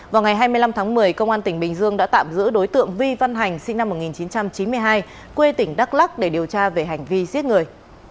vào ngày hai mươi năm tháng một mươi công an tỉnh bình dương đã tạm giữ đối tượng vi văn hành sinh năm một nghìn chín trăm chín mươi hai quê tỉnh đắk lắc để điều tra về hành vi giết người